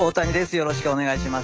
よろしくお願いします。